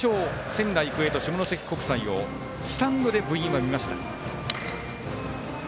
仙台育英と下関国際をスタンドで部員は見ました。